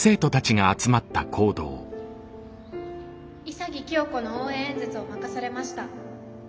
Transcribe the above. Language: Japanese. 潔清子の応援演説を任されました阿瀬です。